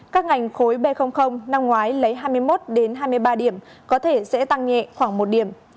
các ngành khối b năm ngoái lấy hai mươi một hai mươi ba điểm có thể sẽ tăng nhẹ khoảng một điểm